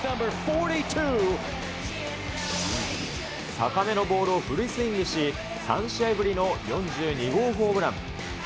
高めのボールをフルスイングし、３試合ぶりの４２号ホームラン。